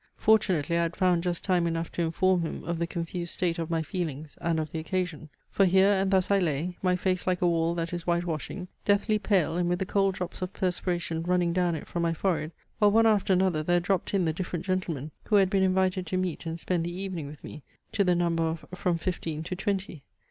Fortunately I had found just time enough to inform him of the confused state of my feelings, and of the occasion. For here and thus I lay, my face like a wall that is white washing, deathly pale and with the cold drops of perspiration running down it from my forehead, while one after another there dropped in the different gentlemen, who had been invited to meet, and spend the evening with me, to the number of from fifteen to twenty.